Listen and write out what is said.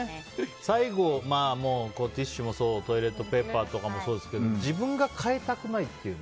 最後、ティッシュもそうトイレットペーパーとかもそうですけど自分が換えたくないっていう。